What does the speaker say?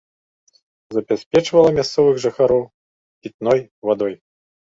Забяспечвала мясцовых жыхароў пітной вадой.